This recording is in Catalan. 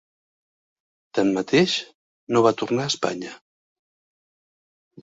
Tanmateix, no va tornar a Espanya.